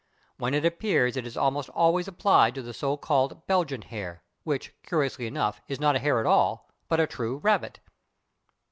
When it appears it is almost always applied to the so called Belgian hare, which, curiously enough, is not a hare at all, but a true rabbit.